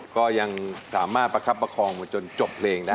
ก็ยังสามารถประคับประคองมาจนจบเพลงได้